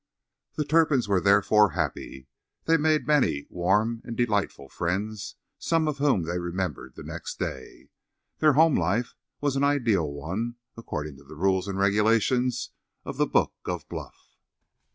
The Turpins were therefore happy. They made many warm and delightful friends, some of whom they remembered the next day. Their home life was an ideal one, according to the rules and regulations of the Book of Bluff.